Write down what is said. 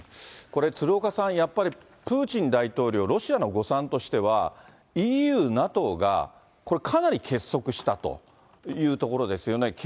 これ、鶴岡さん、やっぱりプーチン大統領、ロシアの誤算としては、ＥＵ、ＮＡＴＯがかなり結束したというところですよね。